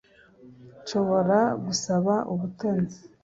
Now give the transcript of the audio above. nshobora gusaba ubutoni